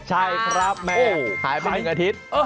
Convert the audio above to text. ใช่ครับแม่ขายมา๑อาทิตย์